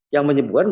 yang menyebutkan itu